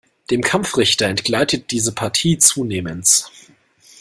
Dem Kampfrichter entgleitet diese Partie zunehmends.